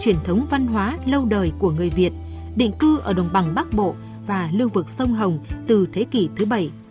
truyền thống văn hóa lâu đời của người việt định cư ở đồng bằng bắc bộ và lưu vực sông hồng từ thế kỷ thứ bảy